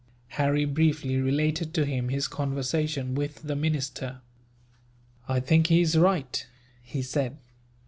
Harry briefly related to him his conversation with the minister. "I think he is right," he said.